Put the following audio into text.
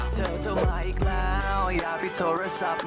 เธอมาอีกแล้วอย่าผิดโทรศัพท์